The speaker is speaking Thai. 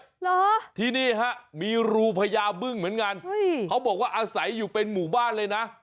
เหรอที่นี่ฮะมีรูพญาบึ้งเหมือนกันเขาบอกว่าอาศัยอยู่เป็นหมู่บ้านเลยนะ